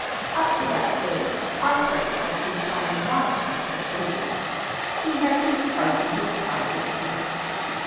Up to that day Arkwright had been trying not to think of Billy. He had been "fighting his tiger skin."